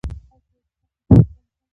هرچېرې چې حق وي هلته دنده هم وي.